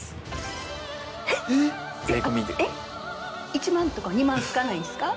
１万とか２万つかないんですか？